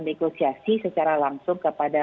negosiasi secara langsung kepada